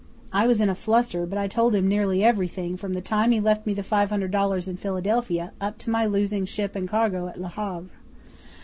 'I was in a fluster, but I told him nearly everything from the time he left me the five hundred dollars in Philadelphia, up to my losing ship and cargo at Le Havre.